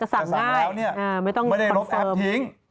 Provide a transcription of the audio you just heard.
สั่งแล้วไม่ต้องลดแอปทิ้ง